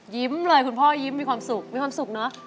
ยิ้มเลยคุณพ่อยิ้มมีความสุขมีความสุขเนอะ